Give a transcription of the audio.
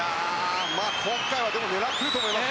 今回は狙っていると思います。